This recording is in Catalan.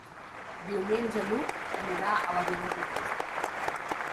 Diumenge n'Hug irà a la Vila Joiosa.